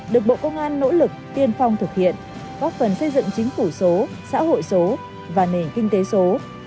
được bộ công an nỗ lực tiên phong thực hiện góp phần xây dựng chính phủ số xã hội số và nền kinh tế số